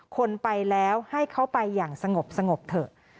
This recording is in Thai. คนไปแล้วให้เขาไปอย่างสงบเถอะ